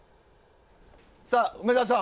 さあ梅沢さん